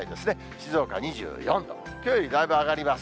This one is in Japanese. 静岡２４度、きょうよりだいぶ上がります。